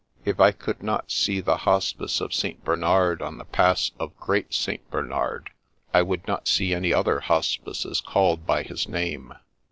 If I could not see the Hospice of St. Bernard on the Pass of Great St. Bernard, I would not see any other hospices called by his name.